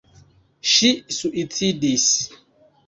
Ŝi suicidis.